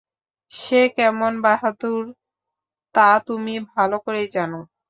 সে কেমন বাহাদুর তা তুমি ভাল করেই জান।